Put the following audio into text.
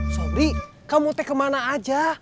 sorry kamu otek kemana aja